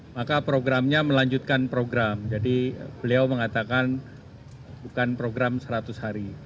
maka programnya melanjutkan program jadi beliau mengatakan bukan program seratus hari